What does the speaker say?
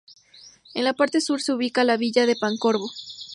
En la parte sur se ubica la villa de Pancorbo.